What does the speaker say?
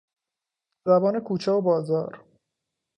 زبان کوچه و بازار